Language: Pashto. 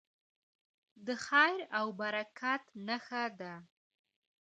د خیر او برکت نښه ده.